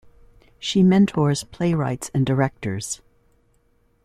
She mentors playwrights and directors.